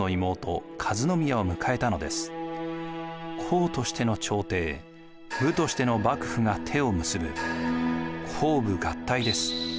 公としての朝廷武としての幕府が手を結ぶ公武合体です。